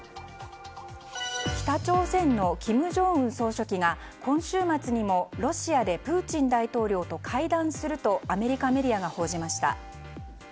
北朝鮮の金正恩総書記が今週末にもロシアでプーチン大統領と会談するとアメリカメディアが報じました。